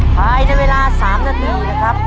ภายในเวลา๓นาทีนะครับ